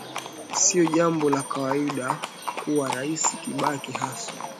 sio jambo la kawaida kuwa rais kibaki haswa